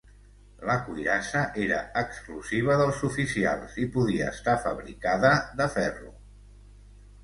La cuirassa era exclusiva dels oficials i podia estar fabricada de ferro.